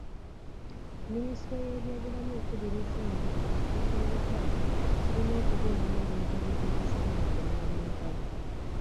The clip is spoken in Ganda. Minisitule y'ebyobulamu ekubiriza nti buli kifo ky'olukale kirina okubeera n'ebintu ebikozesebwa mu kunaaba engalo.